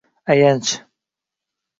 ayanch